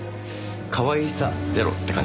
かわいさゼロって感じですかね。